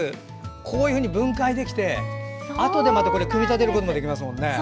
こういうふうに分解できてあとでまた組み立てることもできますもんね。